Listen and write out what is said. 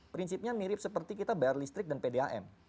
prinsipnya mirip seperti kita bayar listrik dan pdam